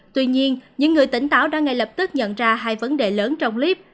tuy nhiên những người tỉnh táo đã ngay lập tức nhận ra hai vấn đề lớn trong clip